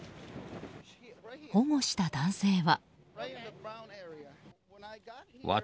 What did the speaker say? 保護した男性は。